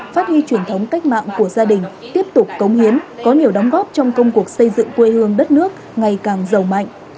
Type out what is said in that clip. phát huy truyền thống cách mạng của gia đình tiếp tục cống hiến có nhiều đóng góp trong công cuộc xây dựng quê hương đất nước ngày càng giàu mạnh